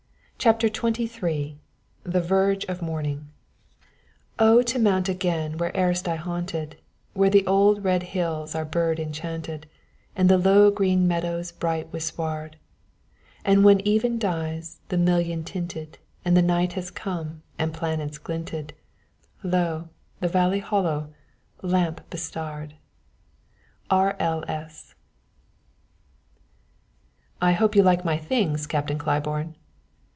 CHAPTER XXIII THE VERGE OF MORNING O to mount again where erst I haunted; Where the old red hills are bird enchanted, And the low green meadows Bright with sward; And when even dies, the million tinted, And the night has come, and planets glinted, Lo! the valley hollow, Lamp bestarr'd. R.L.S. "I hope you like my things, Captain Claiborne!"